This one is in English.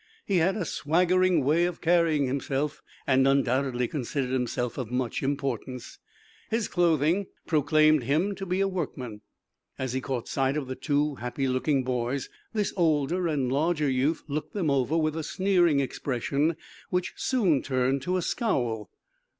He had a swaggering way of carrying himself, and undoubtedly considered himself of much importance. His clothing proclaimed him to be a workman. As he caught sight of the two happy looking boys this older and larger youth looked them over with a sneering expression which soon turned to a scowl.